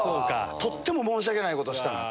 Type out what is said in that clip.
とっても申し訳ないことしたなと。